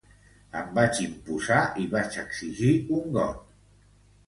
Em vaig imposar i vaig exigir un got.